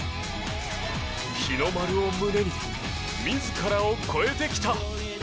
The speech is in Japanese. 日の丸を胸に自らを超えてきた。